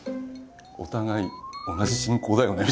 「お互い同じ信仰だよね」